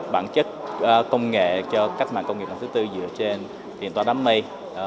bản chất công nghệ cho cách mạng công nghiệp năm thứ tư dựa trên tiền toán đám mây